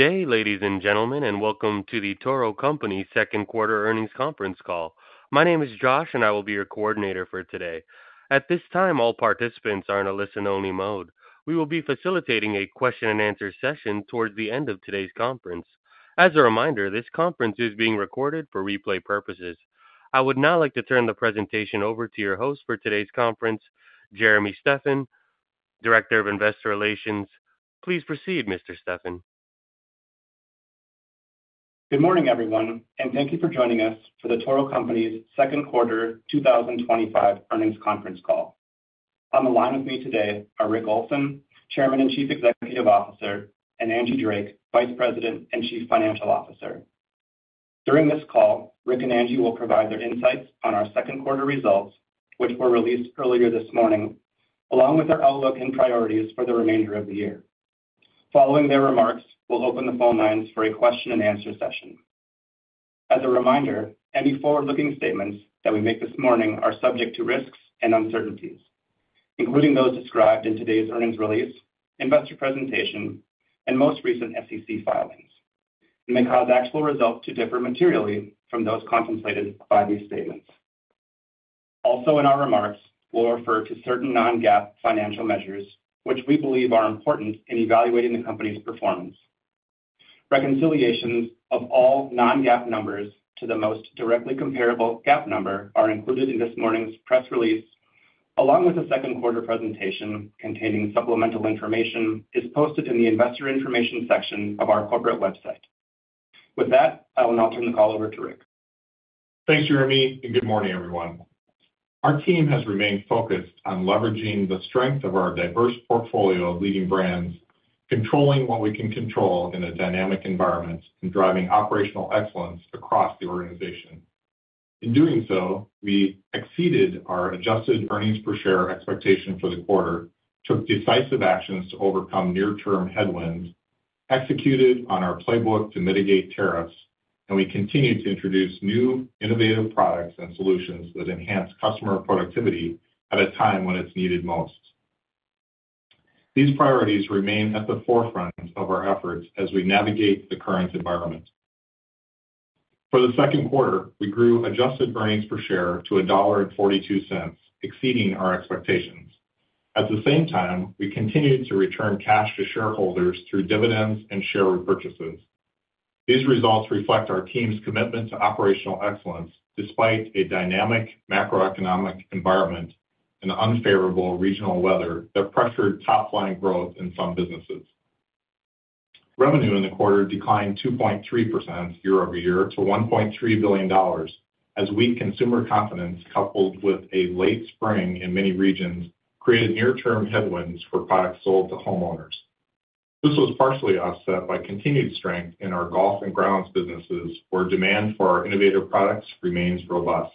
Good day, ladies and gentlemen, and welcome to the Toro Company second quarter earnings conference call. My name is Josh, and I will be your coordinator for today. At this time, all participants are in a listen-only mode. We will be facilitating a question-and-answer session towards the end of today's conference. As a reminder, this conference is being recorded for replay purposes. I would now like to turn the presentation over to your host for today's conference, Jeremy Steffan, Director of Investor Relations. Please proceed, Mr. Steffan. Good morning, everyone, and thank you for joining us for the Toro Company's second quarter 2025 earnings conference call. On the line with me today are Rick Olson, Chairman and Chief Executive Officer, and Angie Drake, Vice President and Chief Financial Officer. During this call, Rick and Angie will provide their insights on our second quarter results, which were released earlier this morning, along with our outlook and priorities for the remainder of the year. Following their remarks, we'll open the phone lines for a question-and-answer session. As a reminder, any forward-looking statements that we make this morning are subject to risks and uncertainties, including those described in today's earnings release, investor presentation, and most recent SEC filings, and may cause actual results to differ materially from those contemplated by these statements. Also, in our remarks, we'll refer to certain non-GAAP financial measures, which we believe are important in evaluating the company's performance. Reconciliations of all non-GAAP numbers to the most directly comparable GAAP number are included in this morning's press release, along with a second quarter presentation containing supplemental information posted in the investor information section of our corporate website. With that, I will now turn the call over to Rick. Thanks, Jeremy, and good morning, everyone. Our team has remained focused on leveraging the strength of our diverse portfolio of leading brands, controlling what we can control in a dynamic environment, and driving operational excellence across the organization. In doing so, we exceeded our adjusted earnings per share expectation for the quarter, took decisive actions to overcome near-term headwinds, executed on our playbook to mitigate tariffs, and we continue to introduce new innovative products and solutions that enhance customer productivity at a time when it's needed most. These priorities remain at the forefront of our efforts as we navigate the current environment. For the second quarter, we grew adjusted earnings per share to $1.42, exceeding our expectations. At the same time, we continued to return cash to shareholders through dividends and share repurchases. These results reflect our team's commitment to operational excellence despite a dynamic macroeconomic environment and unfavorable regional weather that pressured top-line growth in some businesses. Revenue in the quarter declined 2.3% year over year to $1.3 billion, as weak consumer confidence coupled with a late spring in many regions created near-term headwinds for products sold to homeowners. This was partially offset by continued strength in our golf and grounds businesses, where demand for our innovative products remains robust.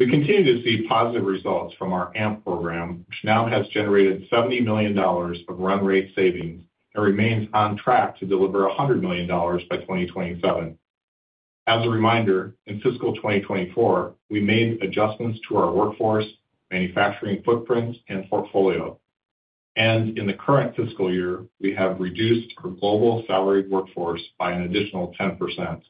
We continue to see positive results from our AMP program, which now has generated $70 million of run rate savings and remains on track to deliver $100 million by 2027. As a reminder, in fiscal 2024, we made adjustments to our workforce, manufacturing footprint, and portfolio. In the current fiscal year, we have reduced our global salaried workforce by an additional 10%.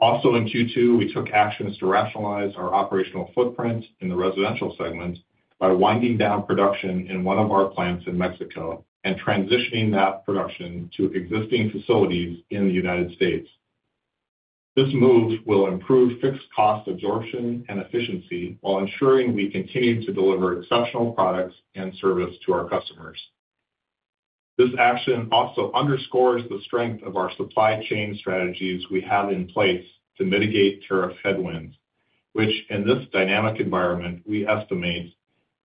Also, in Q2, we took actions to rationalize our operational footprint in the residential segment by winding down production in one of our plants in Mexico and transitioning that production to existing facilities in the United States. This move will improve fixed cost absorption and efficiency while ensuring we continue to deliver exceptional products and service to our customers. This action also underscores the strength of our supply chain strategies we have in place to mitigate tariff headwinds, which, in this dynamic environment, we estimate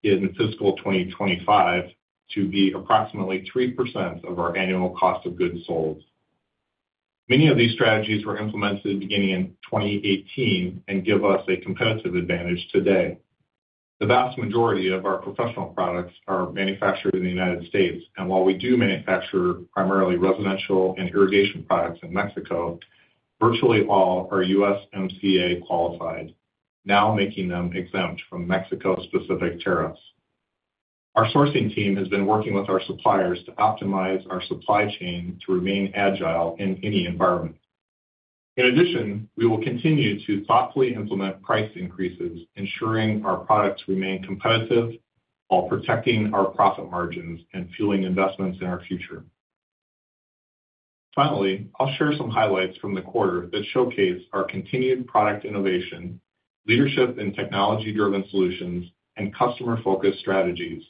in fiscal 2025 to be approximately 3% of our annual cost of goods sold. Many of these strategies were implemented beginning in 2018 and give us a competitive advantage today. The vast majority of our professional products are manufactured in the United States, and while we do manufacture primarily residential and irrigation products in Mexico, virtually all are USMCA qualified, now making them exempt from Mexico-specific tariffs. Our sourcing team has been working with our suppliers to optimize our supply chain to remain agile in any environment. In addition, we will continue to thoughtfully implement price increases, ensuring our products remain competitive while protecting our profit margins and fueling investments in our future. Finally, I'll share some highlights from the quarter that showcase our continued product innovation, leadership in technology-driven solutions, and customer-focused strategies,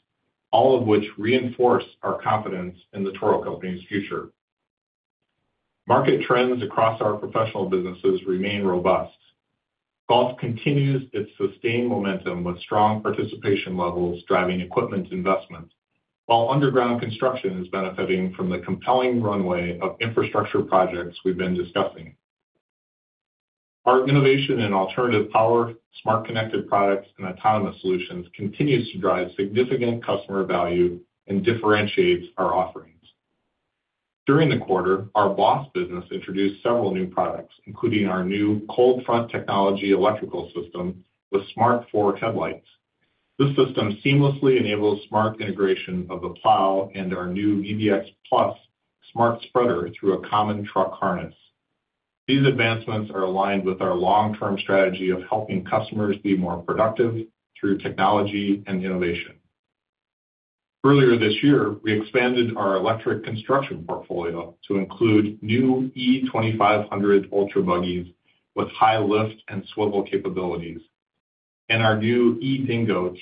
all of which reinforce our confidence in the Toro Company's future. Market trends across our professional businesses remain robust. Golf continues its sustained momentum with strong participation levels driving equipment investment, while underground construction is benefiting from the compelling runway of infrastructure projects we've been discussing. Our innovation in alternative power, smart connected products, and autonomous solutions continues to drive significant customer value and differentiates our offerings. During the quarter, our BOSS business introduced several new products, including our new Cold Front Technology electrical system with smart four headlights. This system seamlessly enables smart integration of the plow and our new VBX Plus smart spreader through a common truck harness. These advancements are aligned with our long-term strategy of helping customers be more productive through technology and innovation. Earlier this year, we expanded our electric construction portfolio to include new E2500 ultra buggies with high lift and swivel capabilities, and our new EDingo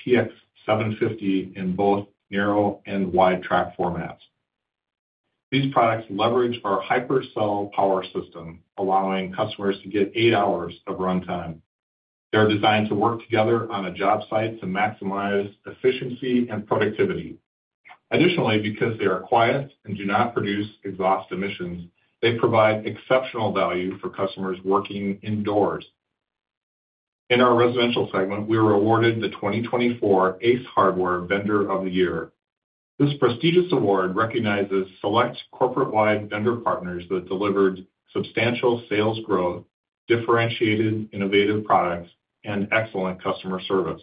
TX750 in both narrow and wide track formats. These products leverage our HyperCell power system, allowing customers to get eight hours of runtime. They're designed to work together on a job site to maximize efficiency and productivity. Additionally, because they are quiet and do not produce exhaust emissions, they provide exceptional value for customers working indoors. In our residential segment, we were awarded the 2024 ACE Hardware Vendor of the Year. This prestigious award recognizes select corporate-wide vendor partners that delivered substantial sales growth, differentiated innovative products, and excellent customer service.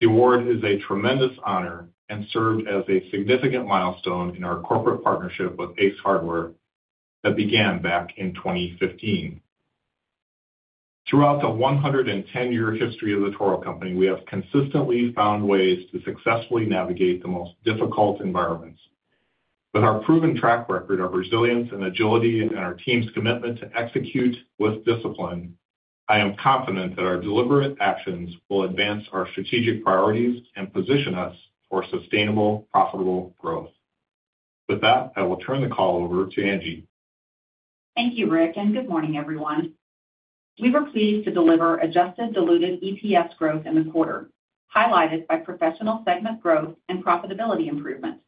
The award is a tremendous honor and served as a significant milestone in our corporate partnership with ACE Hardware that began back in 2015. Throughout the 110-year history of the Toro Company, we have consistently found ways to successfully navigate the most difficult environments. With our proven track record of resilience and agility and our team's commitment to execute with discipline, I am confident that our deliberate actions will advance our strategic priorities and position us for sustainable, profitable growth. With that, I will turn the call over to Angie. Thank you, Rick, and good morning, everyone. We were pleased to deliver adjusted diluted EPS growth in the quarter, highlighted by professional segment growth and profitability improvement.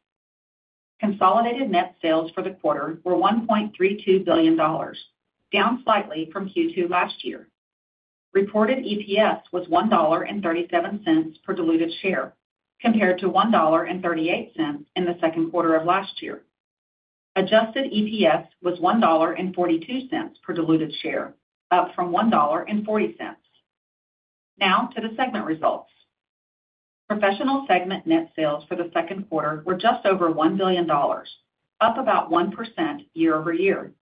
Consolidated net sales for the quarter were $1.32 billion, down slightly from Q2 last year. Reported EPS was $1.37 per diluted share, compared to $1.38 in the second quarter of last year. Adjusted EPS was $1.42 per diluted share, up from $1.40. Now to the segment results. Professional segment net sales for the second quarter were just over $1 billion, up about 1% year over year.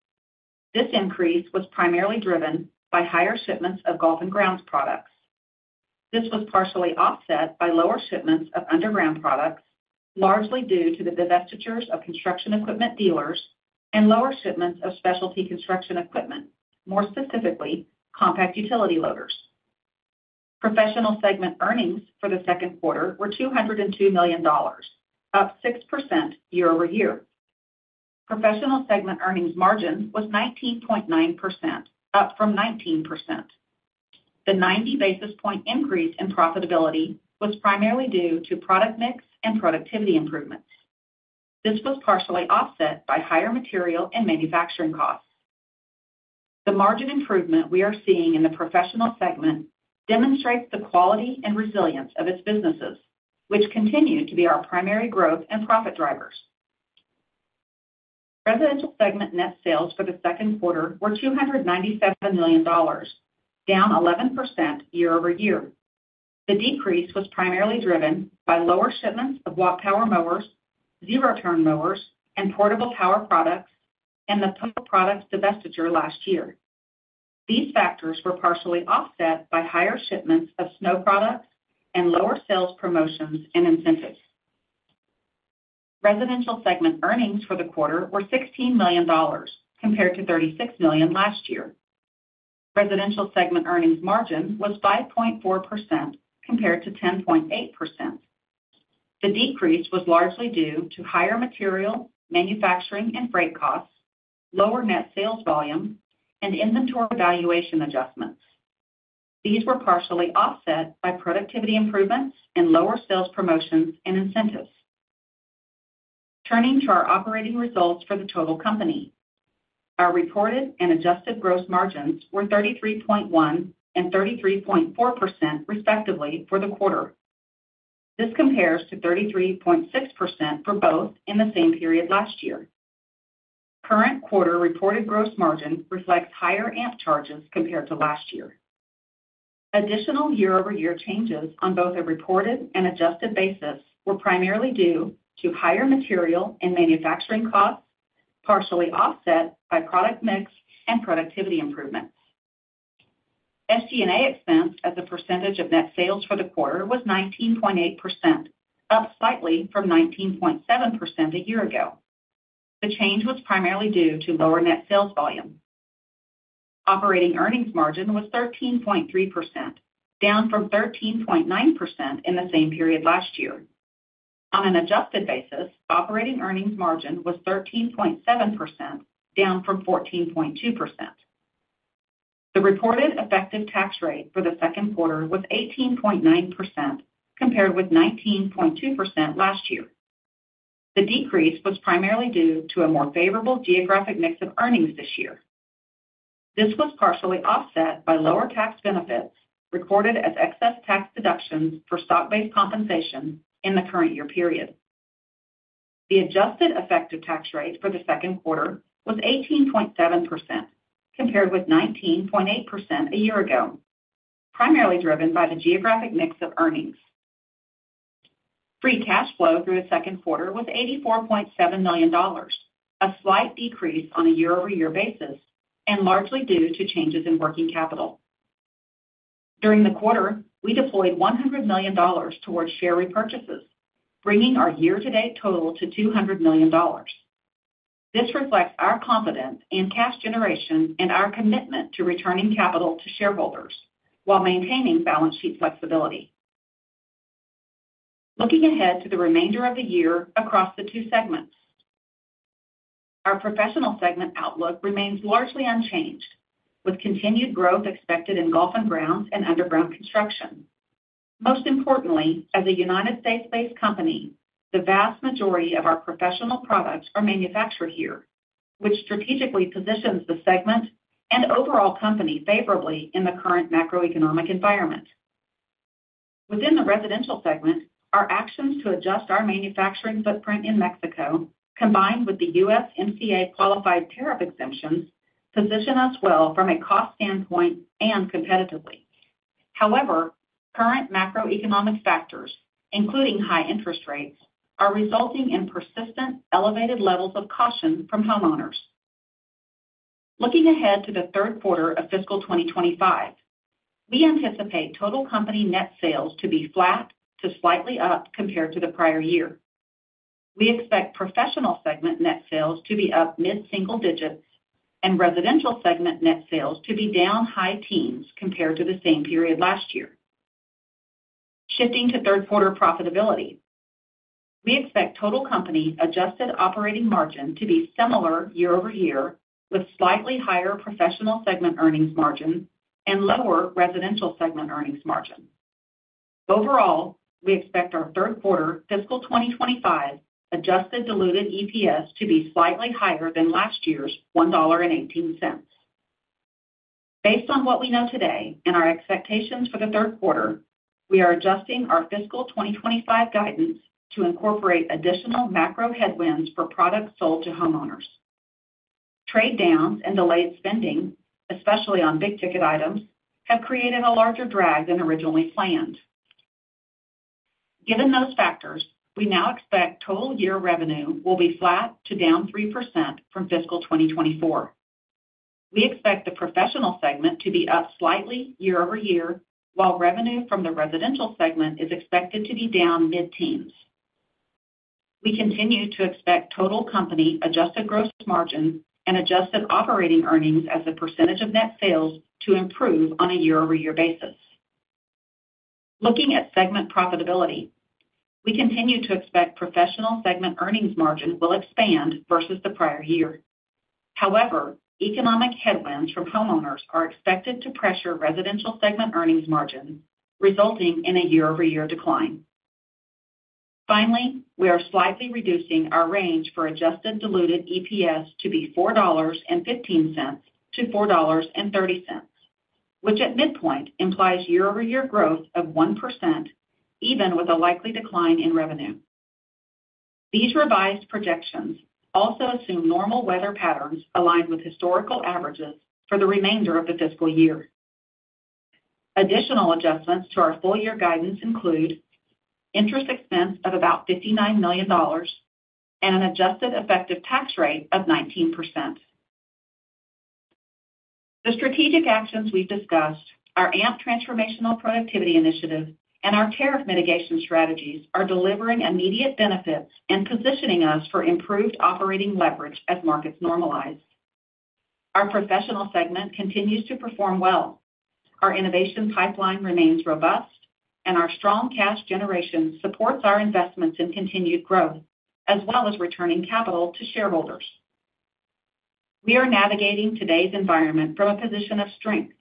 This increase was primarily driven by higher shipments of golf and grounds products. This was partially offset by lower shipments of underground products, largely due to the divestitures of construction equipment dealers and lower shipments of specialty construction equipment, more specifically compact utility loaders. Professional segment earnings for the second quarter were $202 million, up 6% year over year. Professional segment earnings margin was 19.9%, up from 19%. The 90 basis point increase in profitability was primarily due to product mix and productivity improvements. This was partially offset by higher material and manufacturing costs. The margin improvement we are seeing in the professional segment demonstrates the quality and resilience of its businesses, which continue to be our primary growth and profit drivers. Residential segment net sales for the second quarter were $297 million, down 11% year over year. The decrease was primarily driven by lower shipments of walk power mowers, zero-turn mowers, and portable power products, and the product divestiture last year. These factors were partially offset by higher shipments of snow products and lower sales promotions and incentives. Residential segment earnings for the quarter were $16 million, compared to $36 million last year. Residential segment earnings margin was 5.4%, compared to 10.8%. The decrease was largely due to higher material, manufacturing, and freight costs, lower net sales volume, and inventory valuation adjustments. These were partially offset by productivity improvements and lower sales promotions and incentives. Turning to our operating results for the Toro Company, our reported and adjusted gross margins were 33.1% and 33.4%, respectively, for the quarter. This compares to 33.6% for both in the same period last year. Current quarter reported gross margin reflects higher AMP charges compared to last year. Additional year-over-year changes on both a reported and adjusted basis were primarily due to higher material and manufacturing costs, partially offset by product mix and productivity improvements. SG&A expense as a percentage of net sales for the quarter was 19.8%, up slightly from 19.7% a year ago. The change was primarily due to lower net sales volume. Operating earnings margin was 13.3%, down from 13.9% in the same period last year. On an adjusted basis, operating earnings margin was 13.7%, down from 14.2%. The reported effective tax rate for the second quarter was 18.9%, compared with 19.2% last year. The decrease was primarily due to a more favorable geographic mix of earnings this year. This was partially offset by lower tax benefits recorded as excess tax deductions for stock-based compensation in the current year period. The adjusted effective tax rate for the second quarter was 18.7%, compared with 19.8% a year ago, primarily driven by the geographic mix of earnings. Free cash flow through the second quarter was $84.7 million, a slight decrease on a year-over-year basis, and largely due to changes in working capital. During the quarter, we deployed $100 million towards share repurchases, bringing our year-to-date total to $200 million. This reflects our confidence in cash generation and our commitment to returning capital to shareholders while maintaining balance sheet flexibility. Looking ahead to the remainder of the year across the two segments, our professional segment outlook remains largely unchanged, with continued growth expected in golf and grounds and underground construction. Most importantly, as a U.S.-based company, the vast majority of our professional products are manufactured here, which strategically positions the segment and overall company favorably in the current macroeconomic environment. Within the residential segment, our actions to adjust our manufacturing footprint in Mexico, combined with the USMCA qualified tariff exemptions, position us well from a cost standpoint and competitively. However, current macroeconomic factors, including high interest rates, are resulting in persistent elevated levels of caution from homeowners. Looking ahead to the third quarter of fiscal 2025, we anticipate total company net sales to be flat to slightly up compared to the prior year. We expect professional segment net sales to be up mid-single digits and residential segment net sales to be down high teens compared to the same period last year. Shifting to third quarter profitability, we expect total company adjusted operating margin to be similar year-over-year, with slightly higher professional segment earnings margin and lower residential segment earnings margin. Overall, we expect our third quarter fiscal 2025 adjusted diluted EPS to be slightly higher than last year's $1.18. Based on what we know today and our expectations for the third quarter, we are adjusting our fiscal 2025 guidance to incorporate additional macro headwinds for products sold to homeowners. Trade downs and delayed spending, especially on big-ticket items, have created a larger drag than originally planned. Given those factors, we now expect total year revenue will be flat to down 3% from fiscal 2024. We expect the professional segment to be up slightly year-over-year, while revenue from the residential segment is expected to be down mid-teens. We continue to expect total company adjusted gross margin and adjusted operating earnings as a percentage of net sales to improve on a year-over-year basis. Looking at segment profitability, we continue to expect professional segment earnings margin will expand versus the prior year. However, economic headwinds from homeowners are expected to pressure residential segment earnings margins, resulting in a year-over-year decline. Finally, we are slightly reducing our range for adjusted diluted EPS to be $4.15-$4.30, which at midpoint implies year-over-year growth of 1%, even with a likely decline in revenue. These revised projections also assume normal weather patterns aligned with historical averages for the remainder of the fiscal year. Additional adjustments to our full-year guidance include interest expense of about $59 million and an adjusted effective tax rate of 19%. The strategic actions we've discussed, our AMP transformational productivity initiative, and our tariff mitigation strategies are delivering immediate benefits and positioning us for improved operating leverage as markets normalize. Our professional segment continues to perform well. Our innovation pipeline remains robust, and our strong cash generation supports our investments in continued growth, as well as returning capital to shareholders. We are navigating today's environment from a position of strength,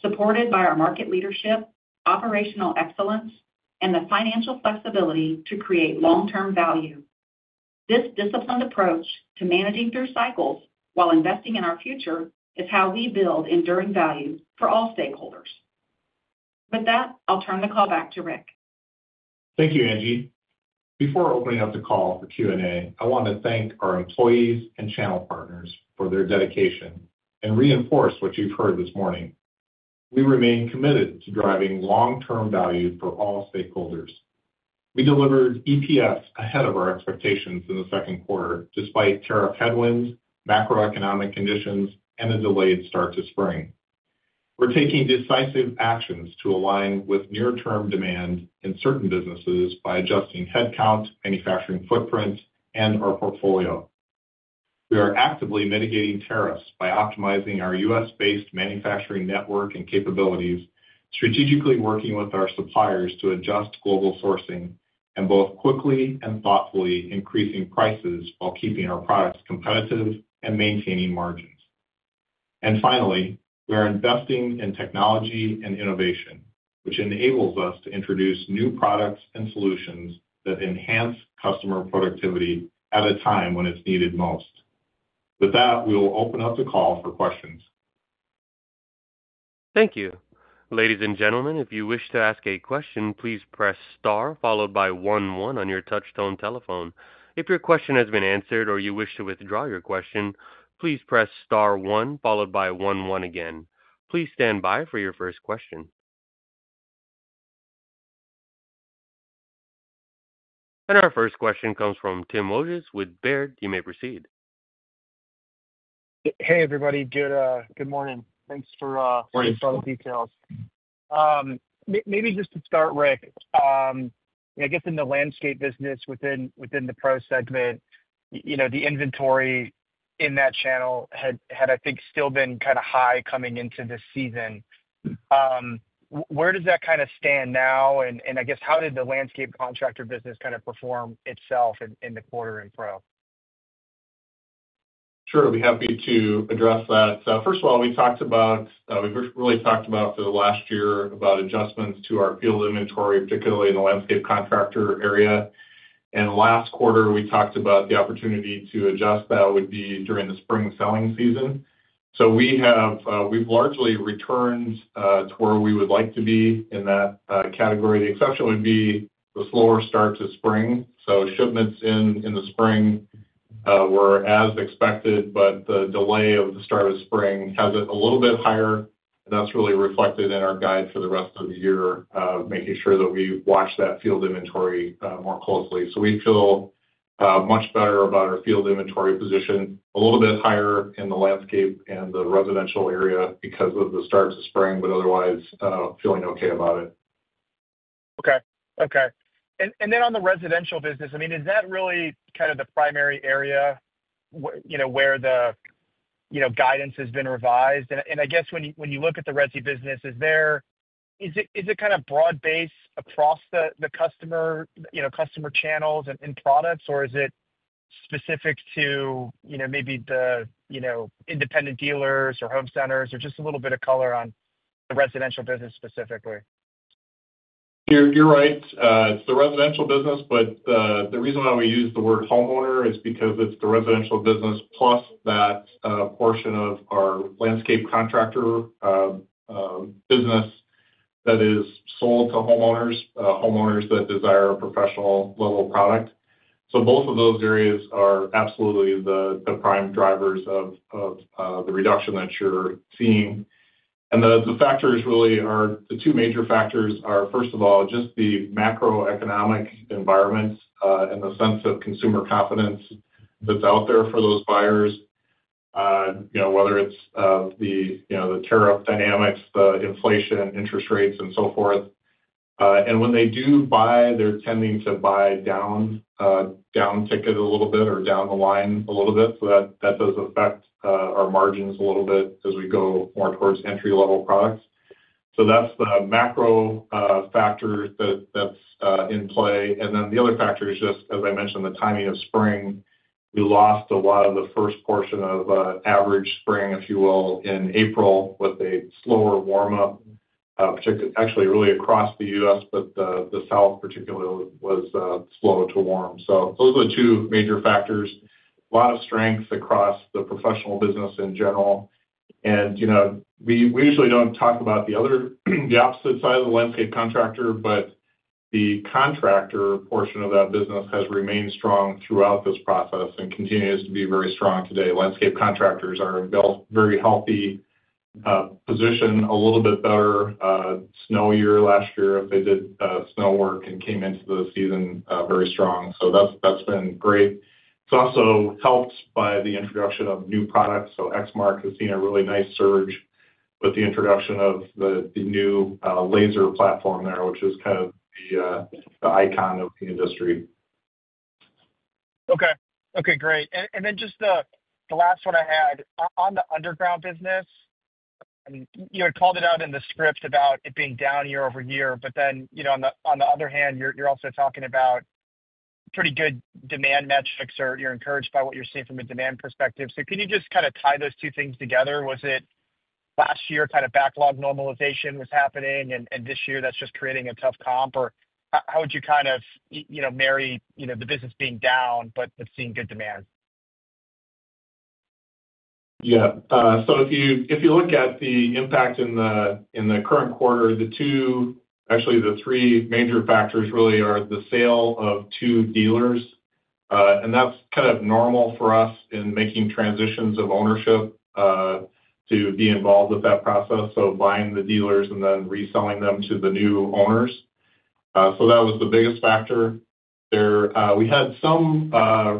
supported by our market leadership, operational excellence, and the financial flexibility to create long-term value. This disciplined approach to managing through cycles while investing in our future is how we build enduring value for all stakeholders. With that, I'll turn the call back to Rick. Thank you, Angie. Before opening up the call for Q&A, I want to thank our employees and channel partners for their dedication and reinforce what you've heard this morning. We remain committed to driving long-term value for all stakeholders. We delivered EPS ahead of our expectations in the second quarter, despite tariff headwinds, macroeconomic conditions, and a delayed start to spring. We're taking decisive actions to align with near-term demand in certain businesses by adjusting headcount, manufacturing footprint, and our portfolio. We are actively mitigating tariffs by optimizing our U.S.-based manufacturing network and capabilities, strategically working with our suppliers to adjust global sourcing and both quickly and thoughtfully increasing prices while keeping our products competitive and maintaining margins. Finally, we are investing in technology and innovation, which enables us to introduce new products and solutions that enhance customer productivity at a time when it's needed most. With that, we will open up the call for questions. Thank you. Ladies and gentlemen, if you wish to ask a question, please press Star followed by one one on your touch-tone telephone. If your question has been answered or you wish to withdraw your question, please press Star one followed by one one again. Please stand by for your first question. Our first question comes from Tim Moses with Baird. You may proceed. Hey, everybody. Good morning. Thanks for all the details. Maybe just to start, Rick, I guess in the landscape business within the pro segment, the inventory in that channel had, I think, still been kind of high coming into this season. Where does that kind of stand now? I guess, how did the landscape contractor business kind of perform itself in the quarter in pro? Sure. I'd be happy to address that. First of all, we talked about, we've really talked about for the last year about adjustments to our field inventory, particularly in the landscape contractor area. Last quarter, we talked about the opportunity to adjust that would be during the spring selling season. We have largely returned to where we would like to be in that category. The exception would be the slower start to spring. Shipments in the spring were as expected, but the delay of the start of spring has it a little bit higher. That is really reflected in our guide for the rest of the year, making sure that we watch that field inventory more closely. We feel much better about our field inventory position, a little bit higher in the landscape and the residential area because of the start to spring, but otherwise feeling okay about it. Okay. Okay. I mean, is that really kind of the primary area where the guidance has been revised? I guess when you look at the resi business, is there kind of broad base across the customer channels and products, or is it specific to maybe the independent dealers or home centers or just a little bit of color on the residential business specifically? You're right. It's the residential business, but the reason why we use the word homeowner is because it's the residential business plus that portion of our landscape contractor business that is sold to homeowners, homeowners that desire a professional-level product. Both of those areas are absolutely the prime drivers of the reduction that you're seeing. The factors really are the two major factors are, first of all, just the macroeconomic environment in the sense of consumer confidence that's out there for those buyers, whether it's the tariff dynamics, the inflation, interest rates, and so forth. When they do buy, they're tending to buy down ticket a little bit or down the line a little bit. That does affect our margins a little bit as we go more towards entry-level products. That's the macro factor that's in play. The other factor is just, as I mentioned, the timing of spring. We lost a lot of the first portion of average spring, if you will, in April with a slower warm-up, actually really across the U.S., but the south particularly was slow to warm. Those are the two major factors. A lot of strength across the professional business in general. We usually do not talk about the opposite side of the landscape contractor, but the contractor portion of that business has remained strong throughout this process and continues to be very strong today. Landscape contractors are in a very healthy position, a little bit better snow year last year if they did snow work and came into the season very strong. That has been great. It is also helped by the introduction of new products. Exmark has seen a really nice surge with the introduction of the new laser platform there, which is kind of the icon of the industry. Okay. Okay. Great. And then just the last one I had on the underground business. You had called it out in the script about it being down year over year, but then on the other hand, you're also talking about pretty good demand metrics or you're encouraged by what you're seeing from a demand perspective. Can you just kind of tie those two things together? Was it last year kind of backlog normalization was happening, and this year that's just creating a tough comp? How would you kind of marry the business being down but seeing good demand? Yeah. If you look at the impact in the current quarter, actually the three major factors really are the sale of two dealers. That's kind of normal for us in making transitions of ownership to be involved with that process, buying the dealers and then reselling them to the new owners. That was the biggest factor there. We had some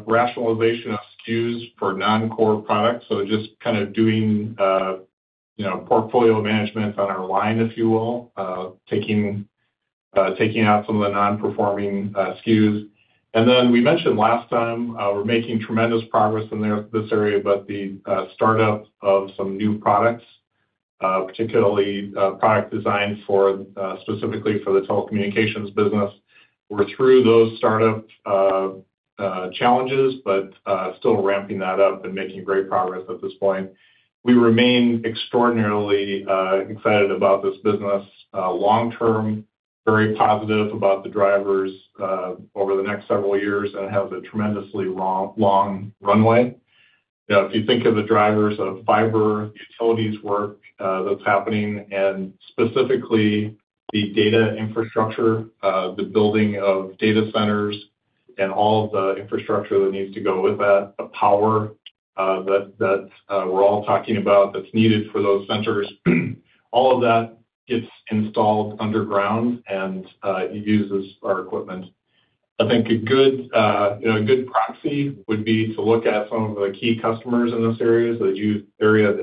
rationalization of SKUs for non-core products, just kind of doing portfolio management on our line, if you will, taking out some of the non-performing SKUs. We mentioned last time, we're making tremendous progress in this area about the startup of some new products, particularly product design specifically for the telecommunications business. We're through those startup challenges, but still ramping that up and making great progress at this point. We remain extraordinarily excited about this business long-term, very positive about the drivers over the next several years, and it has a tremendously long runway. If you think of the drivers of fiber, utilities work that's happening, and specifically the data infrastructure, the building of data centers and all of the infrastructure that needs to go with that, the power that we're all talking about that's needed for those centers, all of that gets installed underground and uses our equipment. I think a good proxy would be to look at some of the key customers in this area that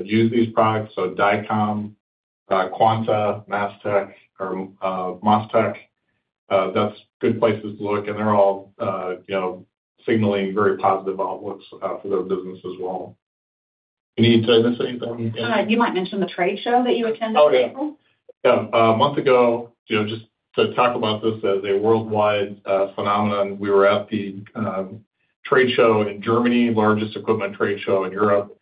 use these products. Ditch Witch, Quanta, MasTec, MYR Group, that's good places to look. They're all signaling very positive outlooks for their business as well. Do you need to miss anything? You might mention the trade show that you attended in April. Oh, yeah. Yeah. A month ago, just to talk about this as a worldwide phenomenon, we were at the trade show in Germany, largest equipment trade show in Europe.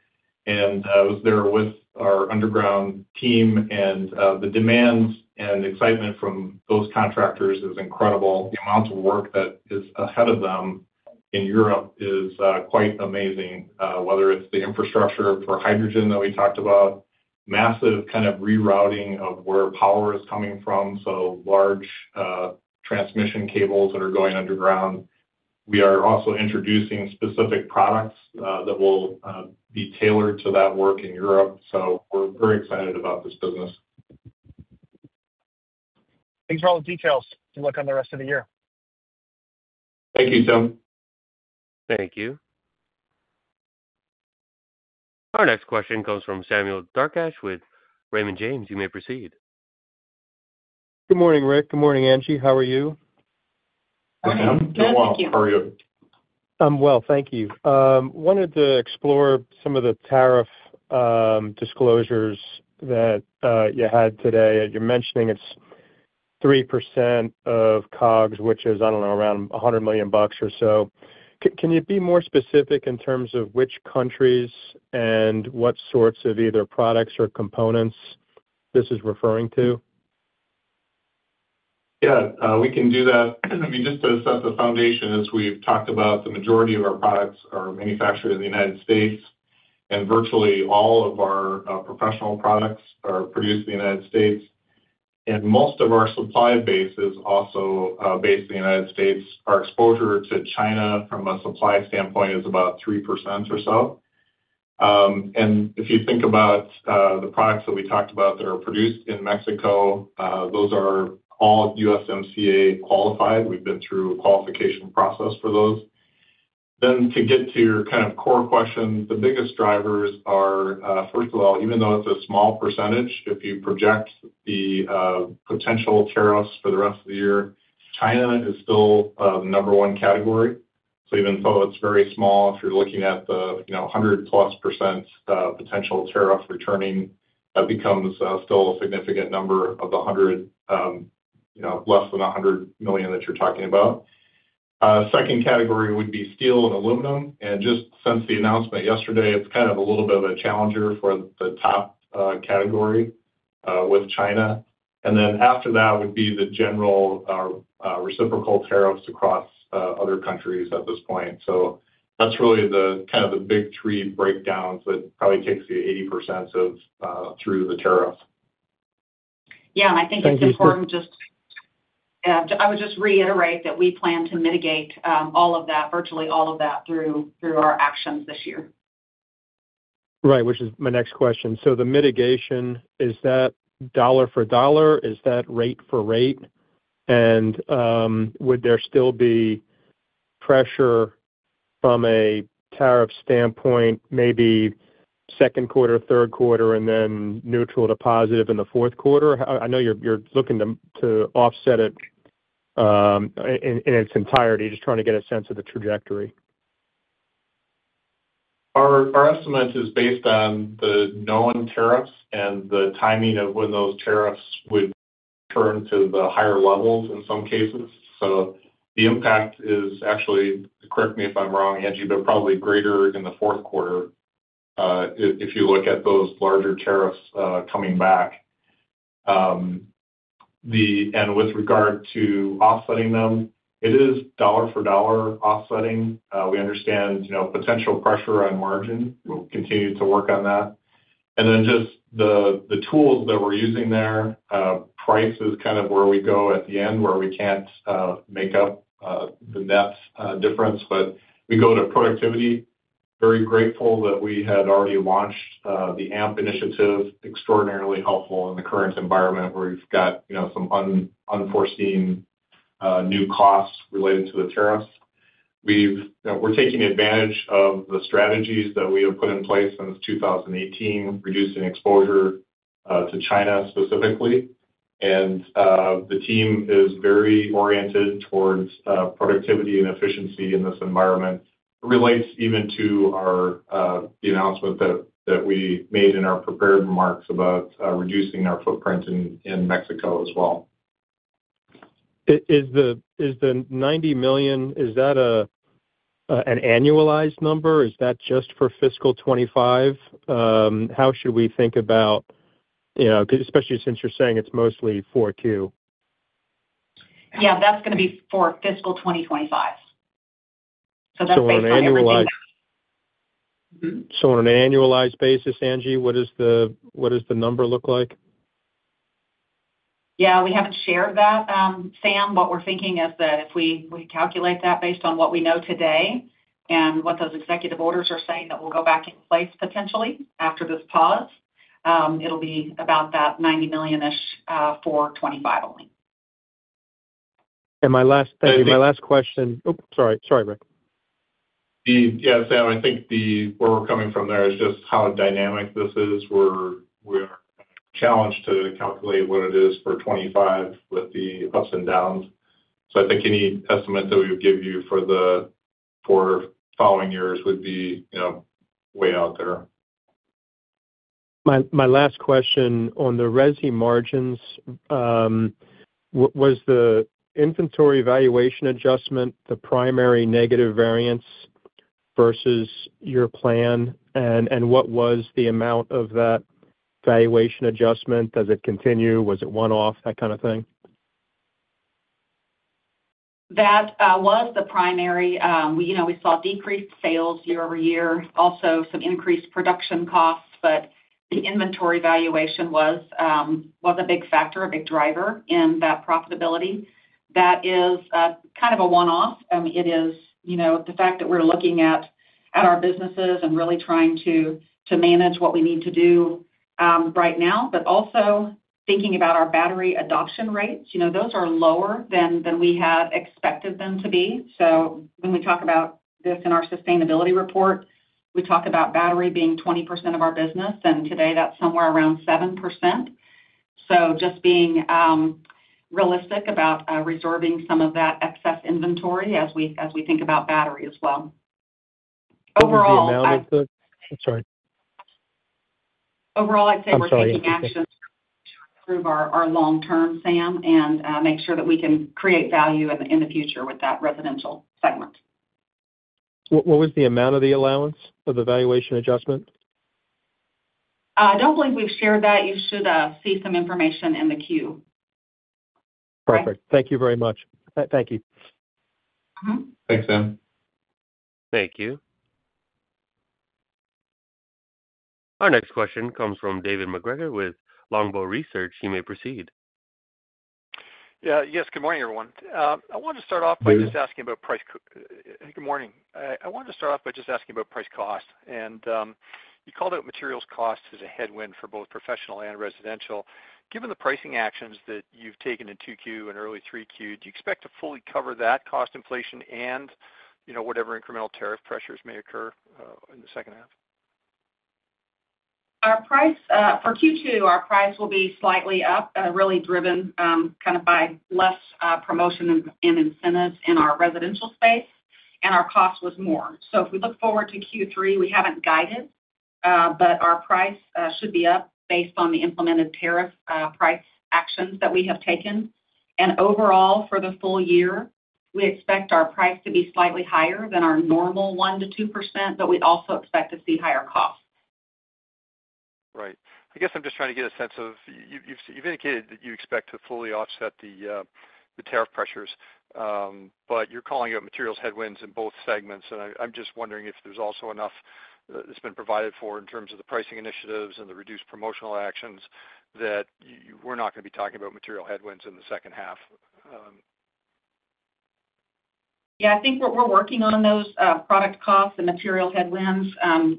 I was there with our underground team. The demand and excitement from those contractors is incredible. The amount of work that is ahead of them in Europe is quite amazing, whether it's the infrastructure for hydrogen that we talked about, massive kind of rerouting of where power is coming from, large transmission cables that are going underground. We are also introducing specific products that will be tailored to that work in Europe. We are very excited about this business. Thanks for all the details. Good luck on the rest of the year. Thank you, Tim. Thank you. Our next question comes from Samuel Darkatsh with Raymond James. You may proceed. Good morning, Rick. Good morning, Angie. How are you? I am. Doing well. How are you? I'm well. Thank you. Wanted to explore some of the tariff disclosures that you had today. You're mentioning it's 3% of COGS, which is, I don't know, around $100 million or so. Can you be more specific in terms of which countries and what sorts of either products or components this is referring to? Yeah. We can do that. I mean, just to set the foundation, as we've talked about, the majority of our products are manufactured in the United States, and virtually all of our professional products are produced in the United States. Most of our supply base is also based in the United States. Our exposure to China from a supply standpoint is about 3% or so. If you think about the products that we talked about that are produced in Mexico, those are all USMCA qualified. We've been through a qualification process for those. To get to your kind of core question, the biggest drivers are, first of all, even though it's a small percentage, if you project the potential tariffs for the rest of the year, China is still the number one category. Even though it's very small, if you're looking at the 100% plus potential tariff returning, that becomes still a significant number of the less than $100 million that you're talking about. The second category would be steel and aluminum. Just since the announcement yesterday, it's kind of a little bit of a challenger for the top category with China. After that would be the general reciprocal tariffs across other countries at this point. That's really kind of the big three breakdowns that probably take the 80% through the tariff. Yeah. I think it's important just. That's important. Yeah. I would just reiterate that we plan to mitigate all of that, virtually all of that, through our actions this year. Right. Which is my next question. Is the mitigation dollar for dollar? Is that rate for rate? Would there still be pressure from a tariff standpoint, maybe second quarter, third quarter, and then neutral to positive in the fourth quarter? I know you're looking to offset it in its entirety, just trying to get a sense of the trajectory. Our estimate is based on the known tariffs and the timing of when those tariffs would turn to the higher levels in some cases. The impact is actually, correct me if I'm wrong, Angie, but probably greater in the fourth quarter if you look at those larger tariffs coming back. With regard to offsetting them, it is dollar for dollar offsetting. We understand potential pressure on margin. We'll continue to work on that. The tools that we're using there, price is kind of where we go at the end where we can't make up the difference. We go to productivity. Very grateful that we had already launched the AMP initiative. Extraordinarily helpful in the current environment where we've got some unforeseen new costs related to the tariffs. We're taking advantage of the strategies that we have put in place since 2018, reducing exposure to China specifically. The team is very oriented towards productivity and efficiency in this environment. It relates even to the announcement that we made in our prepared remarks about reducing our footprint in Mexico as well. Is the $90 million, is that an annualized number? Is that just for fiscal 2025? How should we think about, especially since you're saying it's mostly 4Q? Yeah. That's going to be for fiscal 2025. So that's basically the. On an annualized basis, Angie, what does the number look like? Yeah. We haven't shared that. Sam, what we're thinking is that if we calculate that based on what we know today and what those executive orders are saying that will go back in place potentially after this pause, it'll be about that $90 million-ish for 2025 only. My last question. Oops. Sorry. Sorry, Rick. Yeah. Sam, I think where we're coming from there is just how dynamic this is. We're challenged to calculate what it is for 2025 with the ups and downs. I think any estimate that we would give you for the following years would be way out there. My last question on the resi margins. Was the inventory valuation adjustment the primary negative variance versus your plan? What was the amount of that valuation adjustment? Does it continue? Was it one-off? That kind of thing. That was the primary. We saw decreased sales year over year, also some increased production costs. The inventory valuation was a big factor, a big driver in that profitability. That is kind of a one-off. I mean, it is the fact that we're looking at our businesses and really trying to manage what we need to do right now, but also thinking about our battery adoption rates. Those are lower than we had expected them to be. When we talk about this in our sustainability report, we talk about battery being 20% of our business. Today, that's somewhere around 7%. Just being realistic about resorbing some of that excess inventory as we think about battery as well. Overall, I think. Sorry. Overall, I'd say we're taking action to improve our long-term, Sam, and make sure that we can create value in the future with that residential segment. What was the amount of the valuation adjustment? I don't believe we've shared that. You should see some information in the queue. Perfect. Thank you very much. Thank you. Thanks, Sam. Thank you. Our next question comes from David McGregor with Longbow Research. You may proceed. Yeah. Yes. Good morning, everyone. I wanted to start off by just asking about price. Good morning. I wanted to start off by just asking about price cost. And you called out materials costs as a headwind for both professional and residential. Given the pricing actions that you've taken in 2Q and early 3Q, do you expect to fully cover that cost inflation and whatever incremental tariff pressures may occur in the second half? For Q2, our price will be slightly up, really driven kind of by less promotion and incentives in our residential space. Our cost was more. If we look forward to Q3, we have not guided, but our price should be up based on the implemented tariff price actions that we have taken. Overall, for the full year, we expect our price to be slightly higher than our normal 1-2%, but we also expect to see higher costs. Right. I guess I'm just trying to get a sense of you've indicated that you expect to fully offset the tariff pressures, but you're calling it materials headwinds in both segments. I'm just wondering if there's also enough that's been provided for in terms of the pricing initiatives and the reduced promotional actions that we're not going to be talking about material headwinds in the second half. Yeah. I think we're working on those product costs and material headwinds.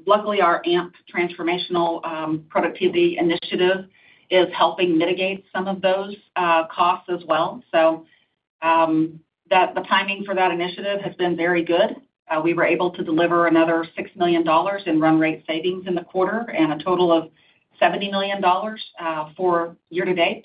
Luckily, our AMP transformational productivity initiative is helping mitigate some of those costs as well. The timing for that initiative has been very good. We were able to deliver another $6 million in run rate savings in the quarter and a total of $70 million for year-to-date,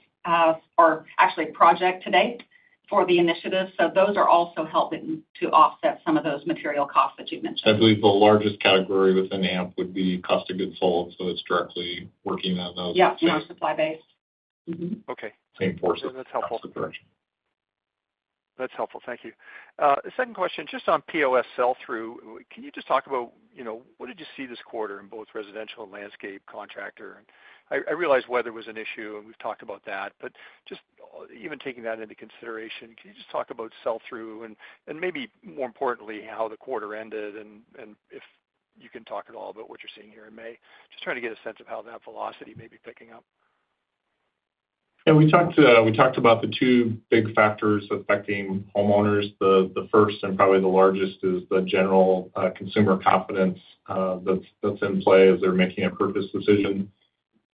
or actually project-to-date for the initiative. Those are also helping to offset some of those material costs that you mentioned. I believe the largest category within AMP would be cost of goods sold. So it's directly working on those. Yeah. So our supply base. Okay. Same force. That's helpful. Cost of production. That's helpful. Thank you. Second question, just on POS sell-through. Can you just talk about what did you see this quarter in both residential and landscape contractor? I realize weather was an issue, and we've talked about that. Just even taking that into consideration, can you just talk about sell-through and maybe more importantly, how the quarter ended? If you can talk at all about what you're seeing here in May, just trying to get a sense of how that velocity may be picking up. Yeah. We talked about the two big factors affecting homeowners. The first and probably the largest is the general consumer confidence that's in play as they're making a purchase decision.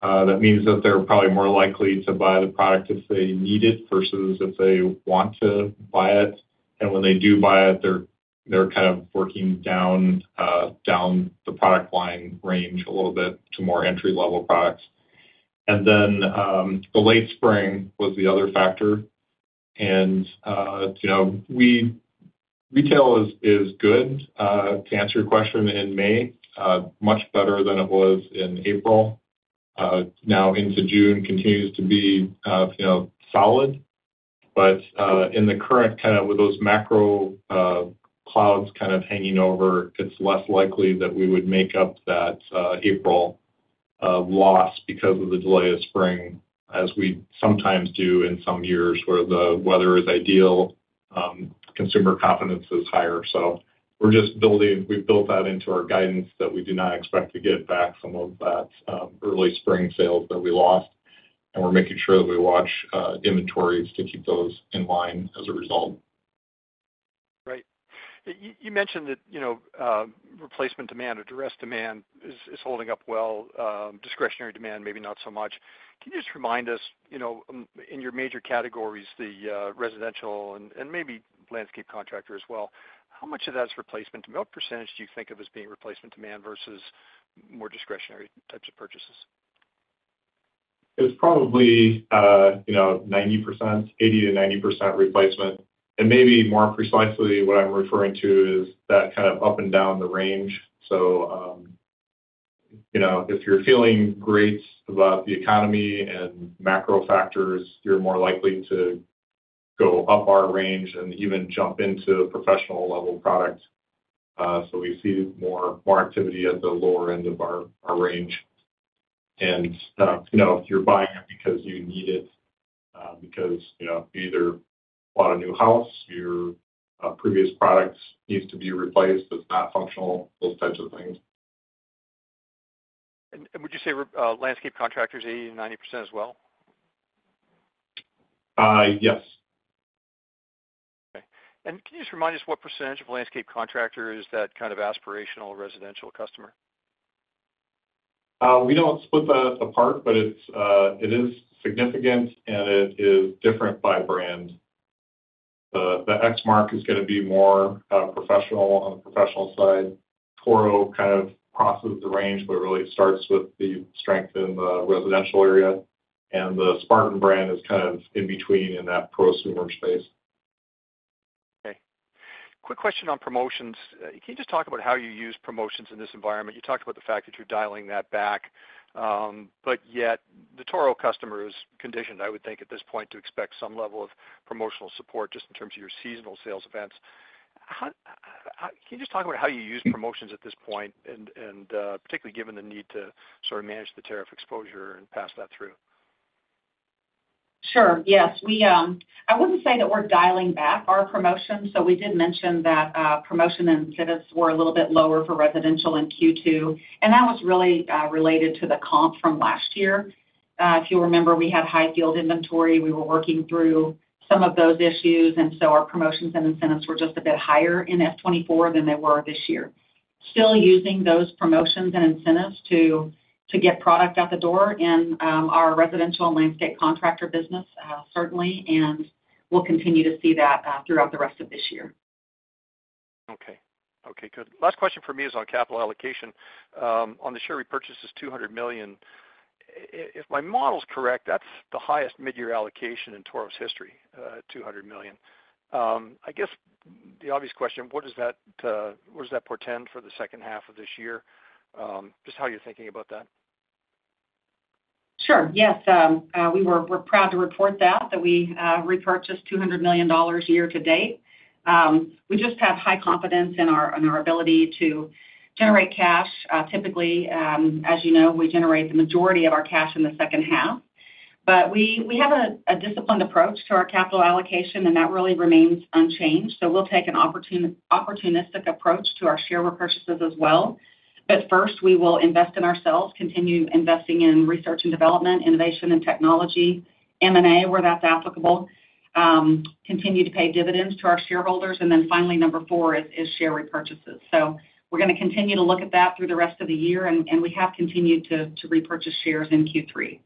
That means that they're probably more likely to buy the product if they need it versus if they want to buy it. When they do buy it, they're kind of working down the product line range a little bit to more entry-level products. The late spring was the other factor. Retail is good. To answer your question, in May, much better than it was in April. Now into June continues to be solid. In the current kind of with those macro clouds kind of hanging over, it's less likely that we would make up that April loss because of the delay of spring, as we sometimes do in some years where the weather is ideal, consumer confidence is higher. We're just building, we've built that into our guidance that we do not expect to get back some of that early spring sales that we lost. We're making sure that we watch inventories to keep those in line as a result. Right. You mentioned that replacement demand or direct demand is holding up well. Discretionary demand, maybe not so much. Can you just remind us, in your major categories, the residential and maybe landscape contractor as well, how much of that is replacement? What percentage do you think of as being replacement demand versus more discretionary types of purchases? It's probably 80-90% replacement. Maybe more precisely, what I'm referring to is that kind of up and down the range. If you're feeling great about the economy and macro factors, you're more likely to go up our range and even jump into professional-level products. We see more activity at the lower end of our range. If you're buying it because you need it, because you either bought a new house, your previous product needs to be replaced, it's not functional, those types of things. Would you say landscape contractors 80-90% as well? Yes. Okay. Can you just remind us what percentage of landscape contractor is that kind of aspirational residential customer? We do not split that apart, but it is significant, and it is different by brand. The Exmark is going to be more professional on the professional side. Toro kind of crosses the range, but really starts with the strength in the residential area. The Spartan brand is kind of in between in that prosumer space. Okay. Quick question on promotions. Can you just talk about how you use promotions in this environment? You talked about the fact that you're dialing that back. Yet, the Toro customer is conditioned, I would think, at this point to expect some level of promotional support just in terms of your seasonal sales events. Can you just talk about how you use promotions at this point, and particularly given the need to sort of manage the tariff exposure and pass that through? Sure. Yes. I would not say that we are dialing back our promotions. We did mention that promotion and incentives were a little bit lower for residential in Q2. That was really related to the comp from last year. If you remember, we had high field inventory. We were working through some of those issues. Our promotions and incentives were just a bit higher in F24 than they were this year. Still using those promotions and incentives to get product out the door in our residential and landscape contractor business, certainly. We will continue to see that throughout the rest of this year. Okay. Okay. Good. Last question for me is on capital allocation. On the share repurchase, it's $200 million. If my model's correct, that's the highest mid-year allocation in Toro's history, $200 million. I guess the obvious question, what does that portend for the second half of this year? Just how are you thinking about that? Sure. Yes. We're proud to report that we repurchased $200 million year-to-date. We just have high confidence in our ability to generate cash. Typically, as you know, we generate the majority of our cash in the second half. We have a disciplined approach to our capital allocation, and that really remains unchanged. We will take an opportunistic approach to our share repurchases as well. First, we will invest in ourselves, continue investing in research and development, innovation and technology, M&A where that's applicable, continue to pay dividends to our shareholders. Finally, number four is share repurchases. We're going to continue to look at that through the rest of the year. We have continued to repurchase shares in Q3.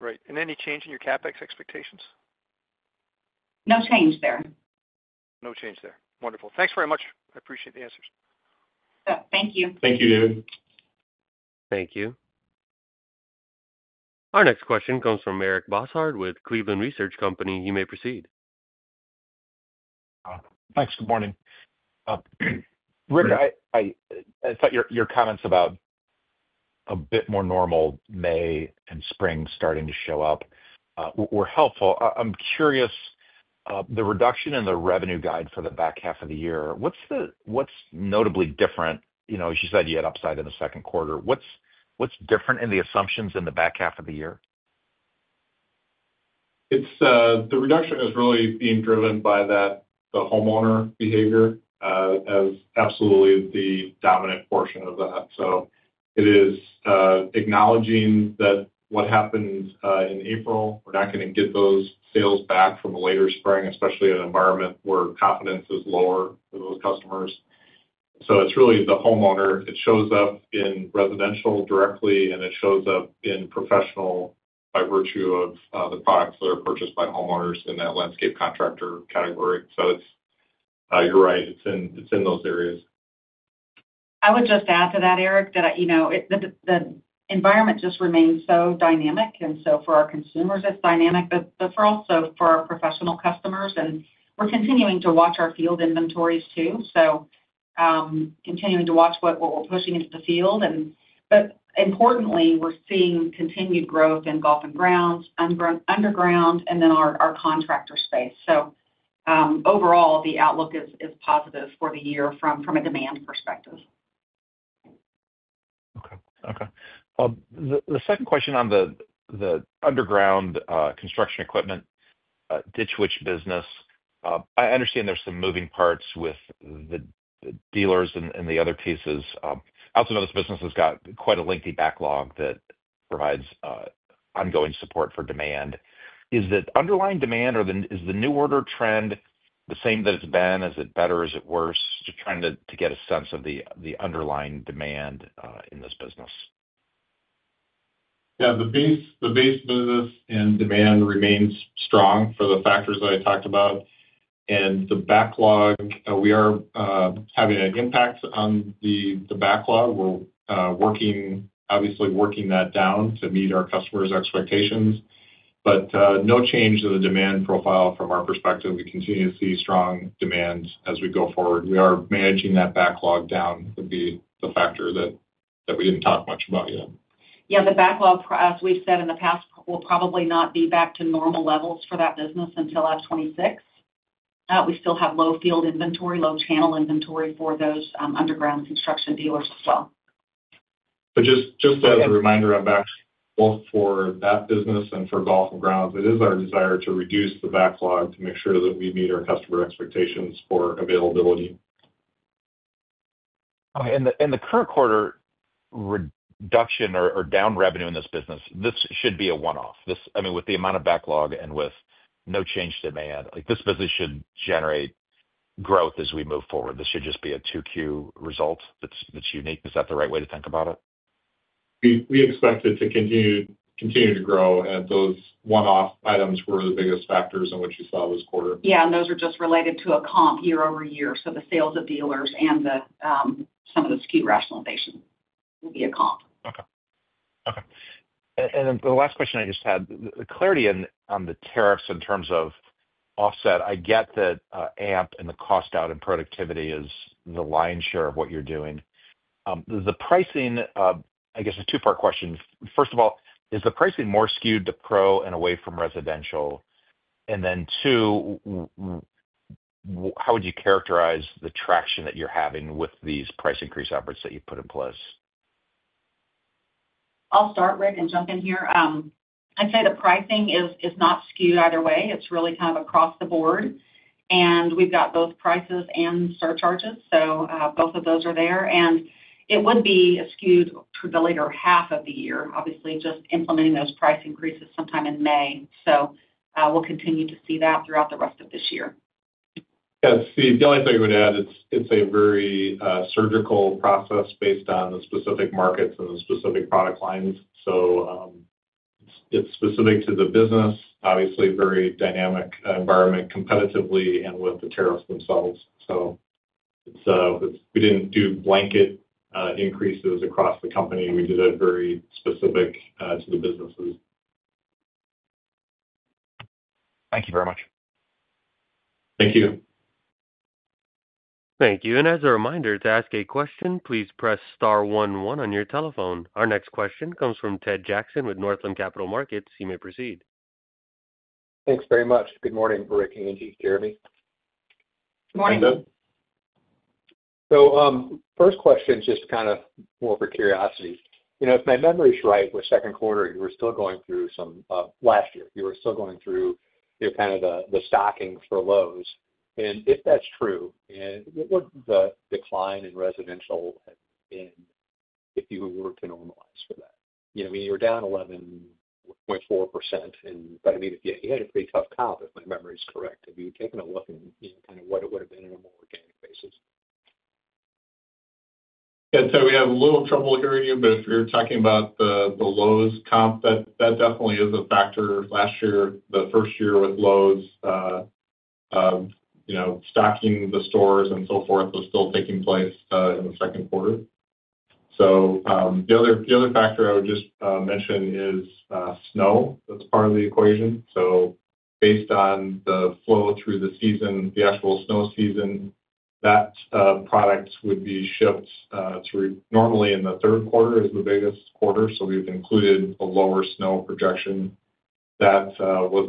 Great. Any change in your CapEx expectations? No change there. No change there. Wonderful. Thanks very much. I appreciate the answers. Thank you. Thank you, David. Thank you. Our next question comes from Eric Bosshard with Cleveland Research Company. You may proceed. Thanks. Good morning. Rick, I thought your comments about a bit more normal May and spring starting to show up were helpful. I'm curious, the reduction in the revenue guide for the back half of the year, what's notably different? As you said, you had upside in the second quarter. What's different in the assumptions in the back half of the year? The reduction is really being driven by the homeowner behavior as absolutely the dominant portion of that. It is acknowledging that what happened in April, we're not going to get those sales back from a later spring, especially in an environment where confidence is lower for those customers. It is really the homeowner. It shows up in residential directly, and it shows up in professional by virtue of the products that are purchased by homeowners in that landscape contractor category. You're right. It is in those areas. I would just add to that, Eric, that the environment just remains so dynamic. For our consumers, it's dynamic, but also for our professional customers. We're continuing to watch our field inventories too. Continuing to watch what we're pushing into the field. Importantly, we're seeing continued growth in golf and grounds, underground, and then our contractor space. Overall, the outlook is positive for the year from a demand perspective. Okay. Okay. The second question on the underground construction equipment, Ditch Witch business. I understand there's some moving parts with the dealers and the other pieces. I also know this business has got quite a lengthy backlog that provides ongoing support for demand. Is the underlying demand or is the new order trend the same that it's been? Is it better? Is it worse? Just trying to get a sense of the underlying demand in this business. Yeah. The base business and demand remains strong for the factors that I talked about. The backlog, we are having an impact on the backlog. We are obviously working that down to meet our customers' expectations. No change in the demand profile from our perspective. We continue to see strong demand as we go forward. We are managing that backlog down would be the factor that we did not talk much about yet. Yeah. The backlog, as we've said in the past, will probably not be back to normal levels for that business until fiscal 2026. We still have low field inventory, low channel inventory for those underground construction dealers as well. Just as a reminder, I'm back for that business and for golf and grounds. It is our desire to reduce the backlog to make sure that we meet our customer expectations for availability. The current quarter reduction or down revenue in this business, this should be a one-off. I mean, with the amount of backlog and with no change to demand, this business should generate growth as we move forward. This should just be a 2Q result that's unique. Is that the right way to think about it? We expect it to continue to grow, and those one-off items were the biggest factors in what you saw this quarter. Yeah. Those are just related to a comp year-over-year. The sales of dealers and some of the SKU rationalization will be a comp. Okay. Okay. And then the last question I just had, the clarity on the tariffs in terms of offset. I get that AMP and the cost out and productivity is the lion's share of what you're doing. The pricing, I guess, is a two-part question. First of all, is the pricing more skewed to pro and away from residential? And then two, how would you characterize the traction that you're having with these price increase efforts that you've put in place? I'll start, Rick, and jump in here. I'd say the pricing is not skewed either way. It's really kind of across the board. We've got both prices and surcharges. Both of those are there. It would be skewed to the later half of the year, obviously, just implementing those price increases sometime in May. We'll continue to see that throughout the rest of this year. Yeah. See, the only thing I would add, it's a very surgical process based on the specific markets and the specific product lines. It is specific to the business, obviously, very dynamic environment competitively and with the tariffs themselves. We did not do blanket increases across the company. We did it very specific to the businesses. Thank you very much. Thank you. Thank you. As a reminder, to ask a question, please press star one one on your telephone. Our next question comes from Ted Jackson with Northland Capital Markets. You may proceed. Thanks very much. Good morning, Rick, Angie, Jeremy. Good morning. Good. First question, just kind of more for curiosity. If my memory is right, with second quarter, you were still going through some last year, you were still going through kind of the stocking for Lowe's. If that's true, what would the decline in residential have been if you were to normalize for that? I mean, you were down 11.4%. I mean, you had a pretty tough comp, if my memory is correct. Have you taken a look in kind of what it would have been on a more organic basis? Yeah. We have a little trouble hearing you, but if you're talking about the Lowe's comp, that definitely is a factor. Last year, the first year with Lowe's, stocking the stores and so forth was still taking place in the second quarter. The other factor I would just mention is snow. That's part of the equation. Based on the flow through the season, the actual snow season, that product would be shipped through. Normally, in the third quarter is the biggest quarter. We've included a lower snow projection. That was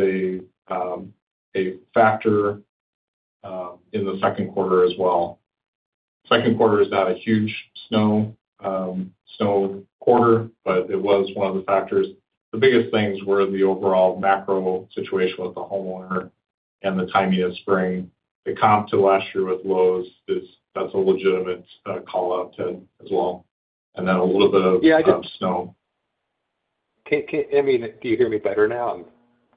a factor in the second quarter as well. Second quarter is not a huge snow quarter, but it was one of the factors. The biggest things were the overall macro situation with the homeowner and the timing of spring. The comp to last year with Lowe's, that's a legitimate call out too as well. A little bit of snow. I mean, do you hear me better now?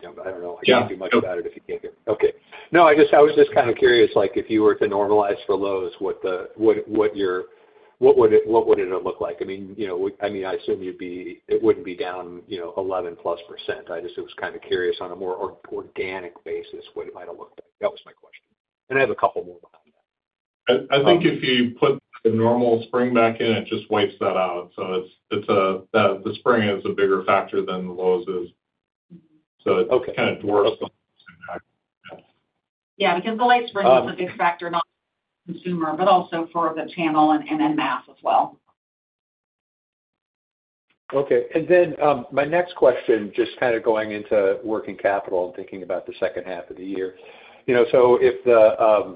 I do not know. I cannot do much about it if you cannot hear me. Okay. No, I was just kind of curious if you were to normalize for lows, what would it look like? I mean, I assume it would not be down 11+%. I just was kind of curious on a more organic basis, what it might have looked like. That was my question. I have a couple more behind that. I think if you put the normal spring back in, it just wipes that out. The spring is a bigger factor than the lows is. It kind of dwarfs the whole thing. Yeah. Because the late spring is a big factor, not just for the consumer, but also for the channel and mass as well. Okay. My next question, just kind of going into working capital and thinking about the second half of the year. If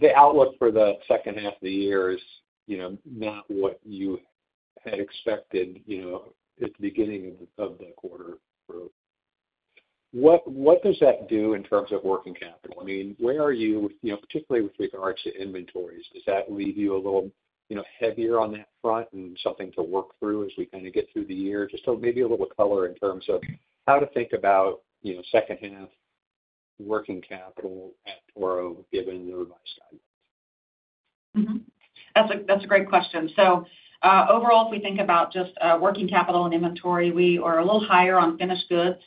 the outlook for the second half of the year is not what you had expected at the beginning of the quarter, what does that do in terms of working capital? I mean, where are you, particularly with regards to inventories? Does that leave you a little heavier on that front and something to work through as we kind of get through the year? Just maybe a little color in terms of how to think about second half working capital at Toro given the revised guidelines? That's a great question. Overall, if we think about just working capital and inventory, we are a little higher on finished goods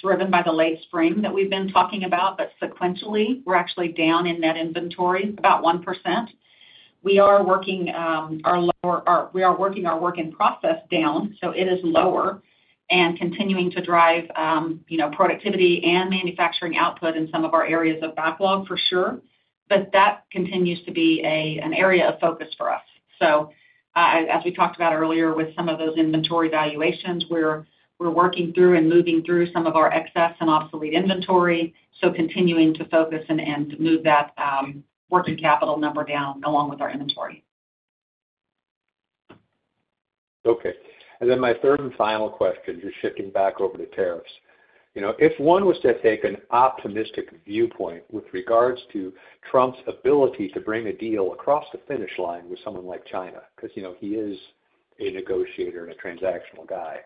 driven by the late spring that we've been talking about. Sequentially, we're actually down in net inventory about 1%. We are working our work in process down. It is lower and continuing to drive productivity and manufacturing output in some of our areas of backlog for sure. That continues to be an area of focus for us. As we talked about earlier with some of those inventory valuations, we're working through and moving through some of our excess and obsolete inventory. Continuing to focus and move that working capital number down along with our inventory. Okay. Then my third and final question, just shifting back over to tariffs. If one was to take an optimistic viewpoint with regards to Trump's ability to bring a deal across the finish line with someone like China, because he is a negotiator and a transactional guy,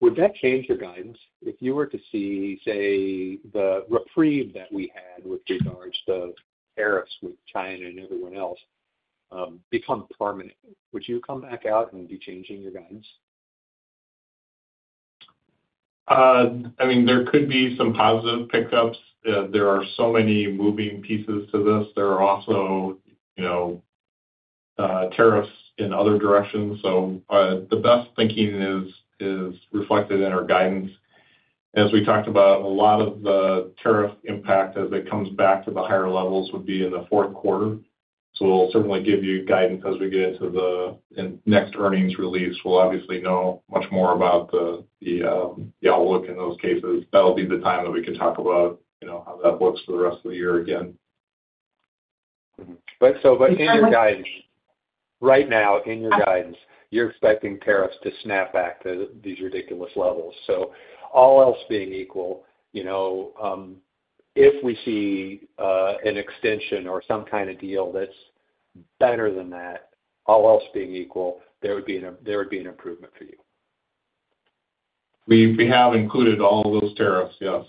would that change your guidance? If you were to see, say, the reprieve that we had with regards to tariffs with China and everyone else become permanent, would you come back out and be changing your guidance? I mean, there could be some positive pickups. There are so many moving pieces to this. There are also tariffs in other directions. The best thinking is reflected in our guidance. As we talked about, a lot of the tariff impact as it comes back to the higher levels would be in the fourth quarter. We will certainly give you guidance as we get into the next earnings release. We will obviously know much more about the outlook in those cases. That will be the time that we can talk about how that looks for the rest of the year again. In your guidance, right now, in your guidance, you're expecting tariffs to snap back to these ridiculous levels. All else being equal, if we see an extension or some kind of deal that's better than that, all else being equal, there would be an improvement for you. We have included all those tariffs, yes.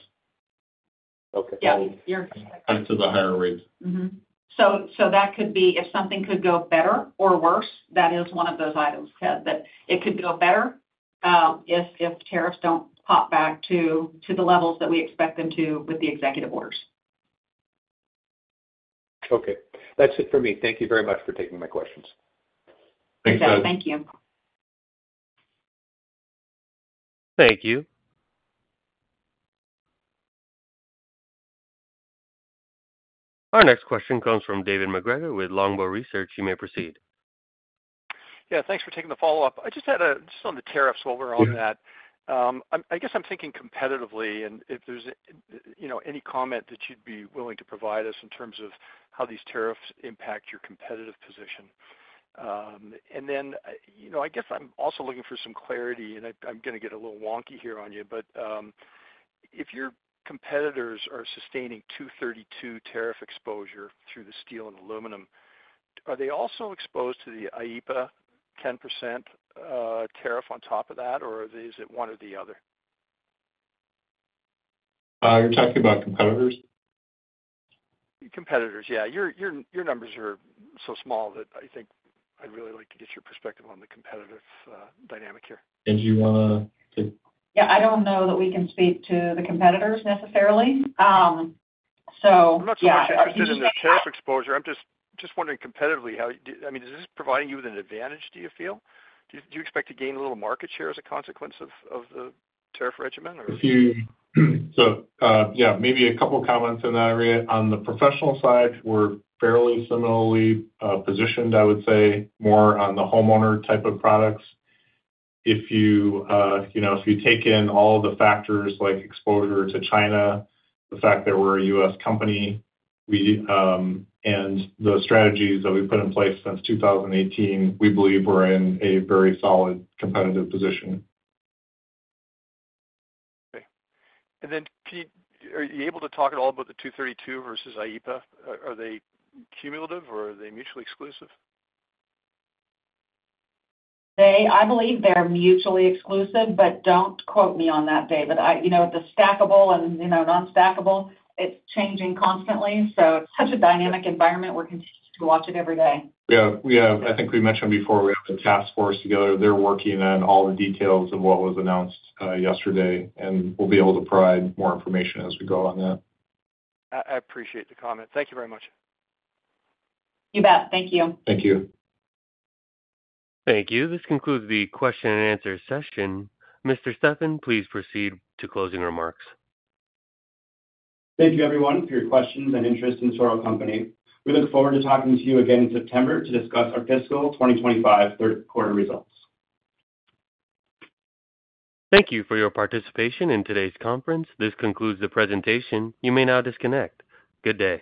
Yeah. You're correct. To the higher rates. That could be if something could go better or worse. That is one of those items, Ted, that it could go better if tariffs do not pop back to the levels that we expect them to with the executive orders. Okay. That's it for me. Thank you very much for taking my questions. Thanks, Ted. Thank you. Thank you. Our next question comes from David MacGregor with Longbow Research. You may proceed. Yeah. Thanks for taking the follow-up. I just had a just on the tariffs while we're on that. I guess I'm thinking competitively, and if there's any comment that you'd be willing to provide us in terms of how these tariffs impact your competitive position. I guess I'm also looking for some clarity, and I'm going to get a little wonky here on you, but if your competitors are sustaining 232 tariff exposure through the steel and aluminum, are they also exposed to the IEPA 10% tariff on top of that, or is it one or the other? You're talking about competitors? Competitors, yeah. Your numbers are so small that I think I'd really like to get your perspective on the competitive dynamic here. Angie, you want to take? Yeah. I don't know that we can speak to the competitors necessarily. So. I'm not sure. I'm just. Yeah. I'm just. In the tariff exposure. I'm just wondering competitively, I mean, is this providing you with an advantage, do you feel? Do you expect to gain a little market share as a consequence of the tariff regimen, or? Yeah, maybe a couple of comments in that area. On the professional side, we're fairly similarly positioned, I would say, more on the homeowner type of products. If you take in all the factors like exposure to China, the fact that we're a U.S. company, and the strategies that we've put in place since 2018, we believe we're in a very solid competitive position. Okay. Are you able to talk at all about the 232 versus IEPA? Are they cumulative, or are they mutually exclusive? I believe they're mutually exclusive, but don't quote me on that, David. The stackable and non-stackable, it's changing constantly. It is such a dynamic environment. We're continuing to watch it every day. Yeah. I think we mentioned before, we have the task force together. They're working on all the details of what was announced yesterday, and we'll be able to provide more information as we go on that. I appreciate the comment. Thank you very much. You bet. Thank you. Thank you. Thank you. This concludes the question and answer session. Mr. Steffan, please proceed to closing remarks. Thank you, everyone, for your questions and interest in Toro Company. We look forward to talking to you again in September to discuss our fiscal 2025 third quarter results. Thank you for your participation in today's conference. This concludes the presentation. You may now disconnect. Good day.